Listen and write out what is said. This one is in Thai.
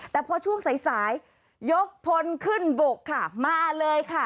แต่พอช่วงสายสายยกพลขึ้นบกค่ะมาเลยค่ะ